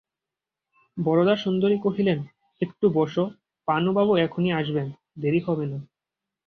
বরদাসুন্দরী কহিলেন, একটু বোসো, পানুবাবু এখনই আসবেন, দেরি হবে না।